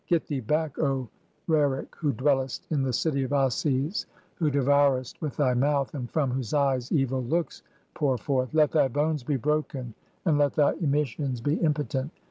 Get thee back, O Rerek, who dwellest "in the city of Ases, who devourest with thy mouth, and from "whose eyes (5) evil looks pour forth. Let thy bones be broken, "and let thy emissions be impotent.